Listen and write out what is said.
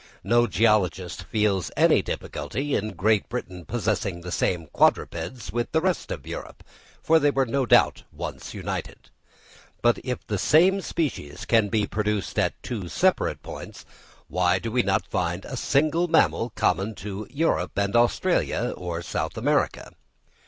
No geologist feels any difficulty in Great Britain possessing the same quadrupeds with the rest of Europe, for they were no doubt once united. But if the same species can be produced at two separate points, why do we not find a single mammal common to Europe and Australia or South America?